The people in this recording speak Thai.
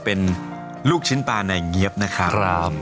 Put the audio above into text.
เป็นลูกชิ้นปลาในเงี๊ยบนะครับ